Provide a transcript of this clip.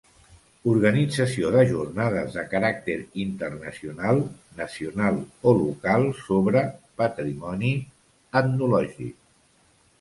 Organització de jornades de caràcter internacional, nacional o local sobre patrimoni etnològic.